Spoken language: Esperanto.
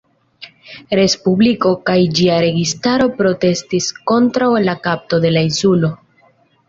Respubliko kaj ĝia registaro protestis kontraŭ la kapto de la insulo.